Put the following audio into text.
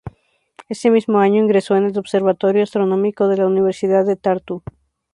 Ese mismo año ingresó en el Observatorio Astronómico de la Universidad de Tartu.